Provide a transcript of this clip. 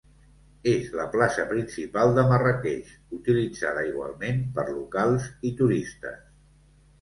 És la plaça principal de Marràqueix, utilitzada igualment per locals i turistes.